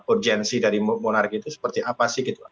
urgensi dari monarki itu seperti apa sih gitu